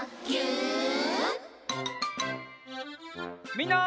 みんな。